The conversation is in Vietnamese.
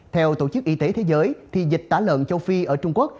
theo tổ chức y tế thế giới dịch tả lợn châu phi ở trung quốc